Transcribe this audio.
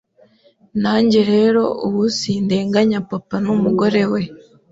Nanjye rero ubu sindenganya papa n’umugore we